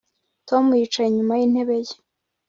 Tom yicaye inyuma yintebe ye